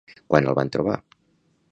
Quan el van trobar?